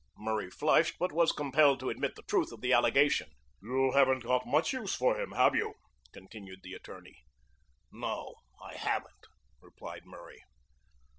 Murray flushed, but was compelled to admit the truth of the allegation. "You haven't got much use for him, have you?" continued the attorney. "No, I haven't," replied Murray.